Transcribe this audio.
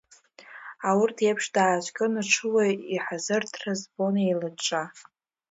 Аурҭ еиԥш дааскьон аҽыуаҩ, иҳазырҭра збон еилыҿҿа.